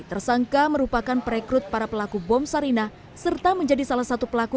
tersangka merupakan perekrut para pelaku bom sarina serta menjadi salah satu pelaku